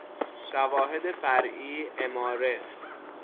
شواهد فرعی، اماره